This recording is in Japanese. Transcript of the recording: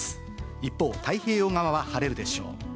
一方、太平洋側は晴れるでしょう。